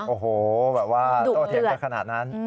โอ้โหโตเทียบก็ขนาดนั้น